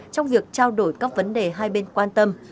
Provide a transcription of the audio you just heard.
trong việc trao đổi các vấn đề hai bên quan tâm